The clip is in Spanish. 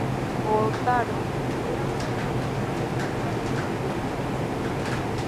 Jotaro era un chico normal, amable y de gran corazón.